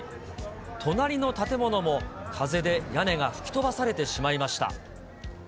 隣の建物も風で屋根が吹き飛ばされてしまいました。